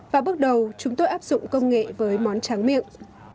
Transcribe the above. và bước đầu chúng tôi áp dụng công nghệ với món tráng miệng